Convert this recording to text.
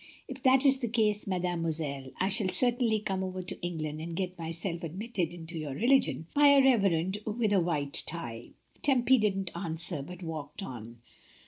"If that is the case, mademoiselle, I shall cer tainly come over to England and get myself ad mitted into your religion by a reverend with a white tie." Tempy didn't answer, but walked on.